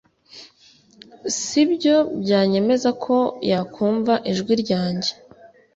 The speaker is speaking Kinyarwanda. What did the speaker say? si byo byanyemeza ko yakumva ijwi ryanjye